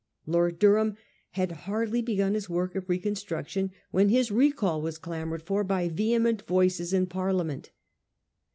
Lord Durham had hardly begun his work of reconstruction when his recall was clamoured for by vehement voices in Parliament.